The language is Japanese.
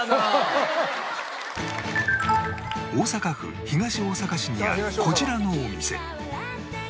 大阪府東大阪市にあるこちらのお店